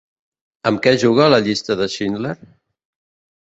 Amb què juga La llista de Schindler?